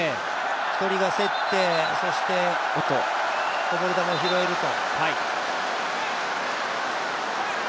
１人が競ってこぼれ球を拾えると。